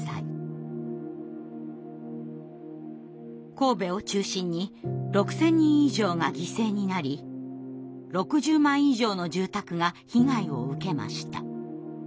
神戸を中心に６，０００人以上が犠牲になり６０万以上の住宅が被害を受けました。